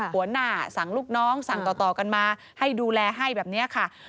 หัวหน้าสั่งลูกน้องสั่งต่อกันมาให้ดูแลให้แบบนี้ค่ะ